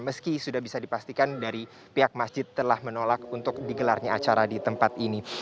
meski sudah bisa dipastikan dari pihak masjid telah menolak untuk digelarnya acara di tempat ini